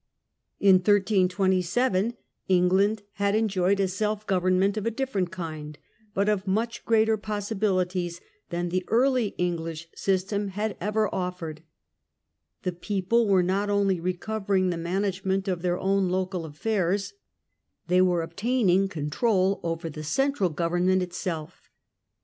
In 1327 England had enjoyed a self government of a different kind, but of much greater possibilities than the early English system had ever offered. The people were not only recovering the management of their own local KING AND BARONS. I05 affairs — they were obtaining control over the central government itself.